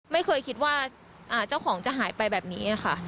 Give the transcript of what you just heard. ไม่เคยคิดว่าเจ้าของจะหายไปแบบนี้ค่ะ